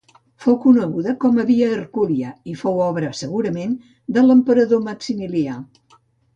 Fou coneguda com a Via Hercúlia i fou obra segurament de l'emperador Maximià.